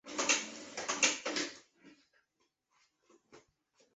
泰根湖畔格蒙特是德国巴伐利亚州的一个市镇。